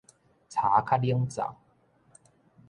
柴較冷灶